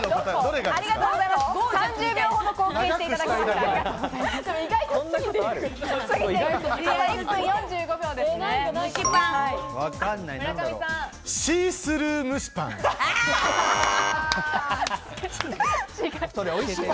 ３０秒ほど貢献していただきました。